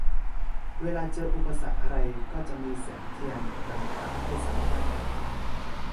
เวลาเจออุปสรรคอะไรก็จะมีแสงเทียนนำทางให้เสมอนั่นเอง